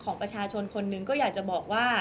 ก็ต้องฝากพี่สื่อมวลชนในการติดตามเนี่ยแหละค่ะ